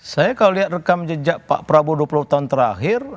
saya kalau lihat rekam jejak pak prabowo dua puluh tahun terakhir